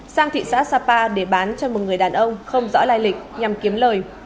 sang thị xã sapa để bán cho một người đàn ông không rõ lai lịch nhằm kiếm lời